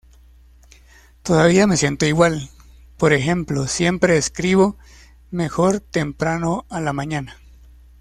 Todavía me siento igual... por ejemplo siempre escribo mejor temprano a la mañana.